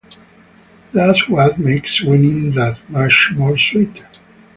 That’s what makes winning that much more sweet.